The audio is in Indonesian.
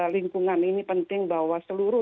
lingkungan ini penting bahwa seluruh